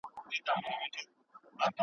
ماشوم د تبعیض مفهوم درک کوي.